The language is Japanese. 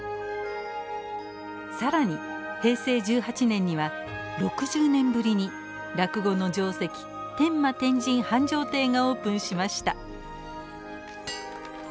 更に平成１８年には６０年ぶりに落語の上席天満天神繁昌亭がオープンしました。